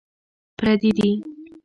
پردي دي.